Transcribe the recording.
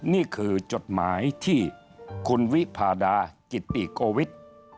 นี่คือจดหมายที่คุณวิพาดากิติโกวิทย์